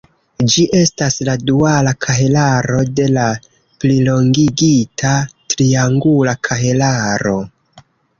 Ĝi estas la duala kahelaro de la plilongigita triangula kahelaro.